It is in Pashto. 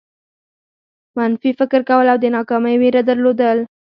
منفي فکر کول او د ناکامۍ وېره درلودل.